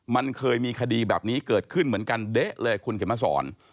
มันเคยมีคดีแบบนี้เกิดขึ้นเหมือนกันเด๊ะเลยคุณเข็มมาสอน